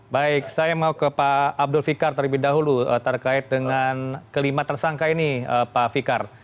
baik saya mau ke pak abdul fikar terlebih dahulu terkait dengan kelima tersangka ini pak fikar